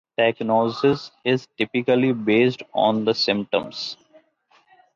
Diagnosis is typically based on the symptoms.